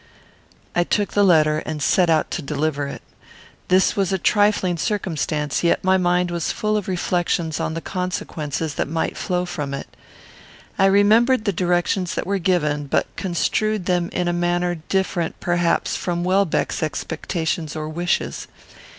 I took the letter and set out to deliver it. This was a trifling circumstance, yet my mind was full of reflections on the consequences that might flow from it. I remembered the directions that were given, but construed them in a manner different, perhaps, from Welbeck's expectations or wishes.